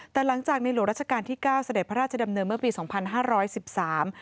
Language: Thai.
แต่หลังจากในหลวงราชการที่เก้าเสด็จพระราชดำเนินเมื่อปีสองพันห้าร้อยสิบสาม